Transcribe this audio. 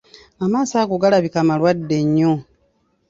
Amaaso ago galabika malwadde nnyo.